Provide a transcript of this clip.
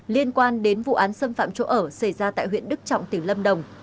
liên quan đến vụ án xâm phạm chỗ ở xảy ra tại huyện đức trọng tỉnh lâm đồng